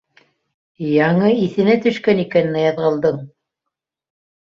— Яңы иҫенә төшкән икән Ныязғолдоң!